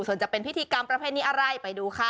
ส่วนจะเป็นพิธีกรรมประเพณีอะไรไปดูค่ะ